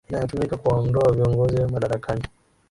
inayotumika kuwaondoa viongozi madarakani